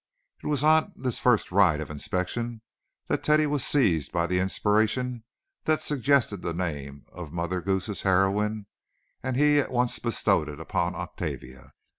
It was on this first ride of inspection that Teddy was seized by the inspiration that suggested the name of Mother Goose's heroine, and he at once bestowed it upon Octavia.